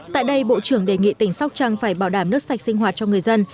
tại đây bộ trưởng đề nghị tỉnh sóc trăng phải bảo đảm nước sạch sinh hoạt cho người dân